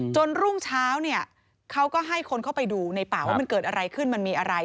รุ่งเช้าเนี่ยเขาก็ให้คนเข้าไปดูในป่าว่ามันเกิดอะไรขึ้นมันมีอะไร